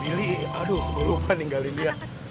willy aduh gue lupa nih galinya